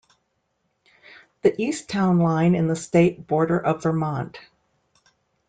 The east town line in the state border of Vermont.